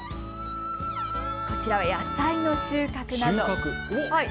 こちらは野菜の収穫など。